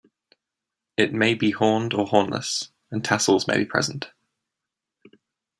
It may be horned or hornless, and tassels may be present.